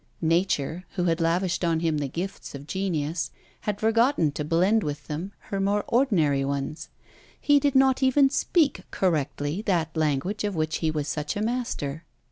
Nature, who had lavished on him the gifts of genius, had forgotten to blend with them her more ordinary ones. He did not even speak correctly that language of which he was such a master.